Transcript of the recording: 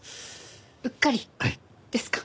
うっかりですか？